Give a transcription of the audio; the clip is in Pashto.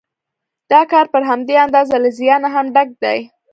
دا کار پر همدې اندازه له زیانه هم ډک دی